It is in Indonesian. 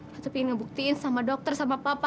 ratu pengen ngebuktiin sama dokter sama papa